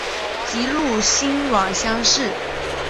直隶辛卯乡试。